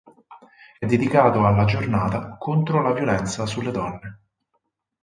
È dedicato alla giornata contro la violenza sulle donne.